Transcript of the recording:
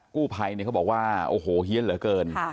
กู้ภัยเขาบอกว่าโอ้โหเฮียนเหลือเกิน